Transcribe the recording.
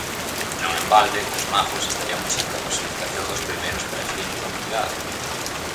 Non en balde, cos Magos estariamos ante a personificación dos primeiros peregrinos da humanidade.